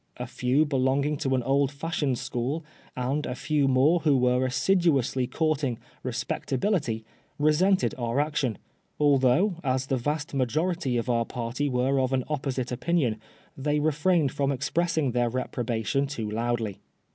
A few belonging to an old fashioned school, and a few more who were assiduously courting " respectability," resented our action ; although, as the vast majority of our party were of an opposite opinion, they refrained from expressing their reproba tion too loudly.